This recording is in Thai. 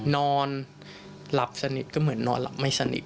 นอนหลับสนิทก็เหมือนนอนหลับไม่สนิท